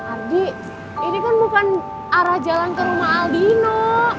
ardi ini kan bukan arah jalan ke rumah aldino